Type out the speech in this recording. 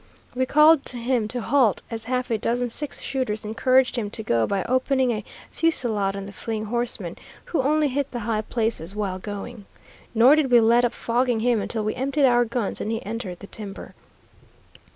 We called to him to halt, as half a dozen six shooters encouraged him to go by opening a fusillade on the fleeing horseman, who only hit the high places while going. Nor did we let up fogging him until we emptied our guns and he entered the timber.